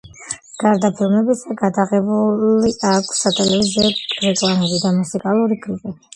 გარდა ფილმებისა, გადაღებული აქვს სატელევიზიო რეკლამები და მუსიკალური კლიპები.